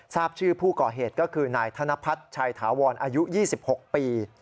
ทราบชื่อผู้ก่อเหตุก็คือนายธนพัฒน์ชัยถาวรอายุ๒๖ปี